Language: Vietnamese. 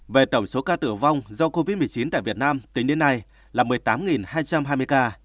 về tổng số ca tử vong do covid một mươi chín tại việt nam tính đến nay là một mươi tám hai trăm hai mươi ca